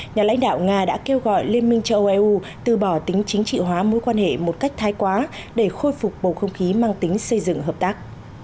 nhà lãnh đạo nga đã kêu gọi liên minh châu âu eu từ bỏ tính chính trị hóa mối quan hệ một cách thái quá để khôi phục bầu không khí mang tính xây dựng hợp tác